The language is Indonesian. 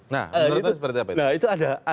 nah menurut anda seperti apa itu